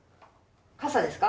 傘ですか？